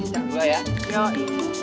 ya udah yuk pulang